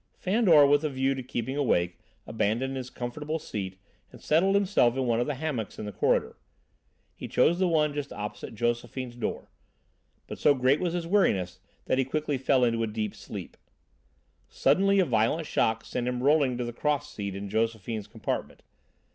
Fandor, with a view to keeping awake, abandoned his comfortable seat and settled himself in one of the hammocks in the corridor. He chose the one just opposite Josephine's door. But so great was his weariness that he quickly fell into a deep sleep. Suddenly a violent shock sent him rolling to the cross seat in Josephine's compartment.